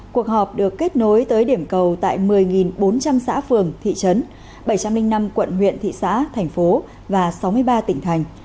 cuộc họp được kết nối tới điểm cầu tại một mươi bốn trăm linh xã phường thị trấn bảy trăm linh năm quận huyện thị xã thành phố và sáu mươi ba tỉnh thành